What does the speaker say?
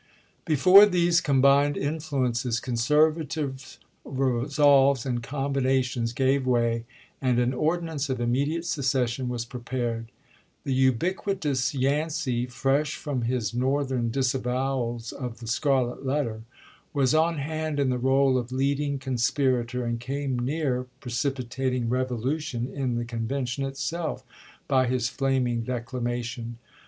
Before these combined influences conservative resolves and combinations gave way, and an ordi nance of immediate secession was prepared. The ubiquitous Yancey, fresh from his Northern dis avowals of the " Scarlet Letter," was on hand in the role of leading conspirator, and came near " precipitating revolution " in the convention itself, by his flaming declamation.